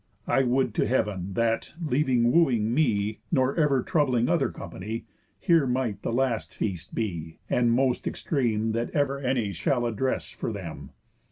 I would to heav'n, that, leaving wooing me, Nor ever troubling other company, Here might the last feast be, and most extreme, That ever any shall address for them.